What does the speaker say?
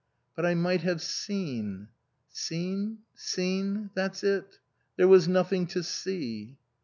" But I might have seen "" Seen? Seen ? That's it. There was nothing to see."